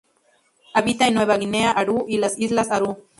Habita en Nueva Guinea Aru y las islas Aru.